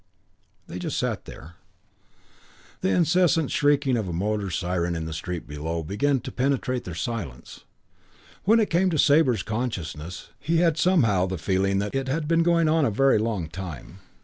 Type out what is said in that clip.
They just sat there. IX The insistent shrieking of a motor siren in the street below began to penetrate their silence. When it came to Sabre's consciousness he had somehow the feeling that it had been going on a very long time.